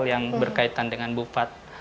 yang berkaitan dengan bu fat